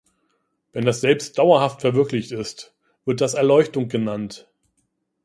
Wenn das Selbst dauerhaft verwirklicht ist, wird das Erleuchtung genannt.